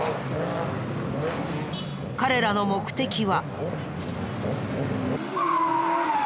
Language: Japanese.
彼らの目的は。